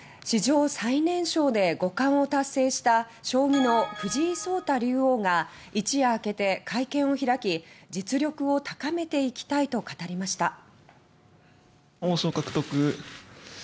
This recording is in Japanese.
史上最年少で五冠を達成した将棋の藤井聡太竜王が一夜明けて会見を開き「実力を高めていきたい」と語りました。